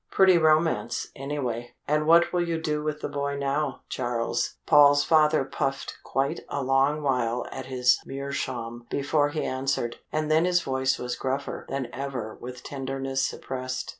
"Pretty romance, anyway. And what will you do with the boy now, Charles?" Paul's father puffed quite a long while at his meerschaum before he answered, and then his voice was gruffer than ever with tenderness suppressed.